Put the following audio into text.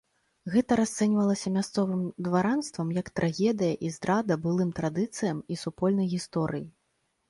Гэта расцэньвалася мясцовым дваранствам як трагедыя і здрада былым традыцыям і супольнай гісторыі.